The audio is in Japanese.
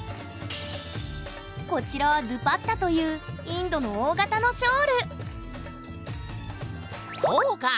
こちらはドゥパッタというインドの大型のショールそうか！